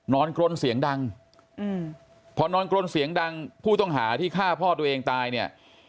กรนเสียงดังพอนอนกรนเสียงดังผู้ต้องหาที่ฆ่าพ่อตัวเองตายเนี่ย